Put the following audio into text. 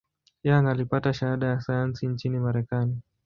Young alipata shahada ya sayansi nchini Marekani.